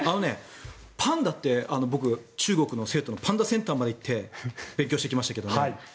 パンダって僕、中国の成都のパンダセンターまで行って勉強してきましたけどね